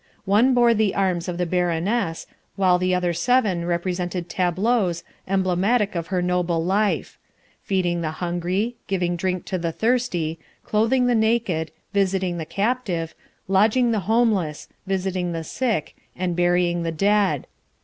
One bore the arms of the Baroness, while the other seven represented tableaux emblematic of her noble life, "Feeding the Hungry," "Giving Drink to the Thirsty," "Clothing the Naked," "Visiting the Captive," "Lodging the Homeless," "Visiting the Sick," and "Burying the Dead."